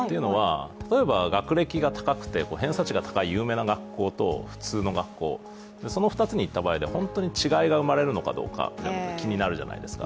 例えば学歴が高くて偏差値が高い有名な学校と普通の学校、その２つに行った場合で本当に違いが生まれるかどうかが気になるじゃないですか。